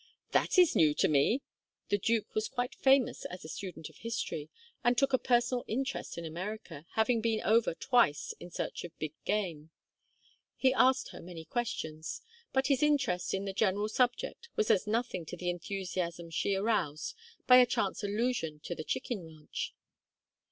"That is new to me!" The duke was quite famous as a student of history, and took a personal interest in America, having been over twice in search of big game. He asked her many questions; but his interest in the general subject was as nothing to the enthusiasm she aroused by a chance allusion to the chicken ranch.